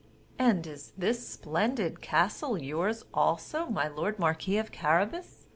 "And is this splendid castle yours also, my lord marquis of Carabas?